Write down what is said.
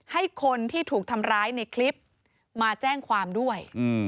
ให้คนที่ถูกทำร้ายในคลิปมาแจ้งความด้วย